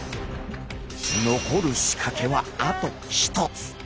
残る仕掛けはあと１つ。